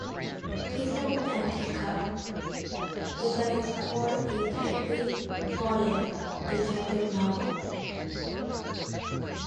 "Tea From an Empty Cup" is at its core a tightly plotted detective novel.